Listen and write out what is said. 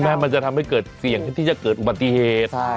มันจะทำให้เกิดเสี่ยงที่จะเกิดอุบัติเหตุ